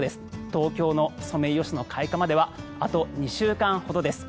東京のソメイヨシノ開花まではあと２週間ほどです。